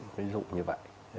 ví dụ như vậy